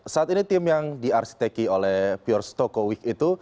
saat ini tim yang diarsiteki oleh piorstokowik itu